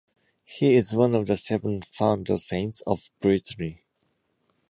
He is one of the seven founder saints of Brittany.